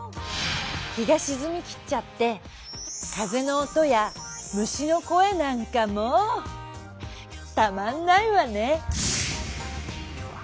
日がしずみきっちゃって風の音や虫の声なんかもたまんないわね。